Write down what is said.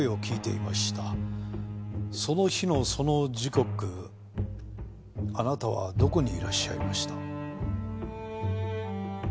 その日のその時刻あなたはどこにいらっしゃいました？